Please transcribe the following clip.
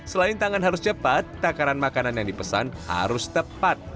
selain tangan harus cepat takaran makanan yang dipesan harus tepat